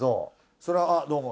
それは「あっどうも」。